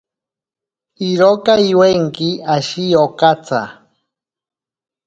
Iroka iwenki ashi okatsa.